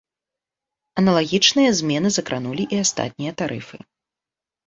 Аналагічныя змены закранулі і астатнія тарыфы.